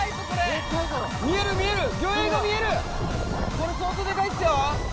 これ相当デカいですよ！